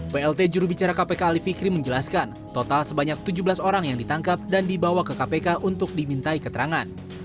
plt jurubicara kpk ali fikri menjelaskan total sebanyak tujuh belas orang yang ditangkap dan dibawa ke kpk untuk dimintai keterangan